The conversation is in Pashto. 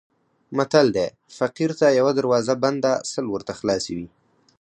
متل دی: فقیر ته یوه دروازه بنده سل ورته خلاصې وي.